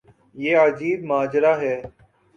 یہ عجیب ماجرا ہے۔